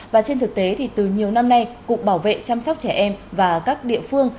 và trên thực tế thì từ nhiều năm nay cục bảo vệ chăm sóc trẻ em và các địa phương